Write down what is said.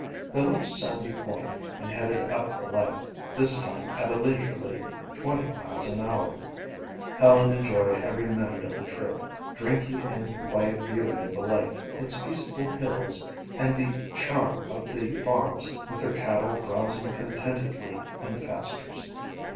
They left Sandy Point and headed up the lake, this time at a leisurely twenty miles an hour. Helen enjoyed every minute of the trip, drinking in the quiet beauty of the lake, its peaceful hills and the charm of the farms with their cattle browsing contentedly in the pastures.